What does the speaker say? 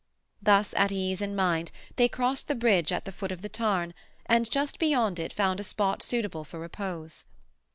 Thus at ease in mind they crossed the bridge at the foot of the tarn, and just beyond it found a spot suitable for repose.